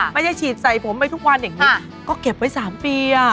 ไม่ใช่ฉีดใส่ผมไปทุกวันอย่างนี้ก็เก็บไว้๓ปี